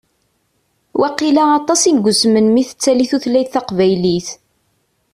Waqila aṭas i yusmen mi tettali tutlayt taqbaylit.